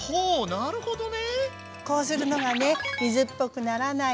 なるほどね。